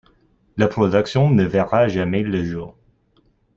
La production ne verra jamais le jour.